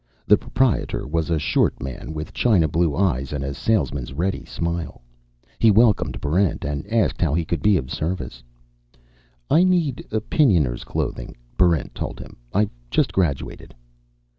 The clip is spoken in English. The proprietor was a short man with china blue eyes and a salesman's ready smile. He welcomed Barrent and asked how he could be of service. "I need Opinioners' clothing," Barrent told him. "I've just graduated."